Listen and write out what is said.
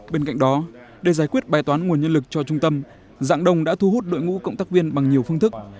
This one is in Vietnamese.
bên cạnh đó để giải quyết bài toán nguồn nhân lực cho trung tâm dạng đông đã thu hút đội ngũ cộng tác viên bằng nhiều phương thức